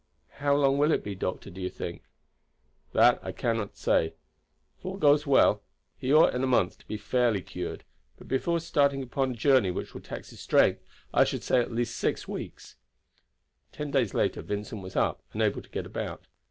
"How long will it be, doctor, do you think?" "That I cannot say. If all goes well, he ought in a month to be fairly cured; but before starting upon a journey which will tax his strength, I should say at least six weeks." Ten days later Vincent was up, and able to get about.